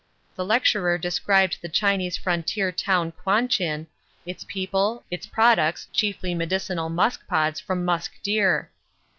The lecturer described the Chinese frontier town Quanchin, its people, its products, chiefly medicinal musk pods from musk deer.